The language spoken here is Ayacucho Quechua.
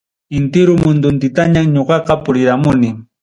Entero munduntintañam ñoqaqa puriramuni.